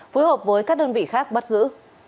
phối hợp với các đơn vị khác bắt giữ